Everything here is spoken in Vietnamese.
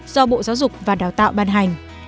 do bộ giáo dục và đào tạo ban hành